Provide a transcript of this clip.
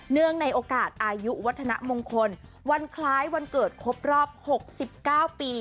เนื่องในโอกาสอายุวัฒนมงคลวันคล้ายวันเกิดครบรอบ๖๙ปี